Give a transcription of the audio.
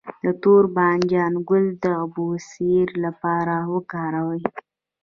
د تور بانجان ګل د بواسیر لپاره وکاروئ